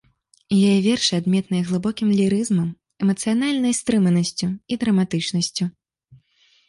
Яе вершы адметныя глыбокім лірызмам, эмацыянальнай стрыманасцю і драматычнасцю.